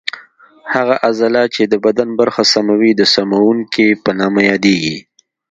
هغه عضله چې د بدن برخه سموي د سموونکې په نامه یادېږي.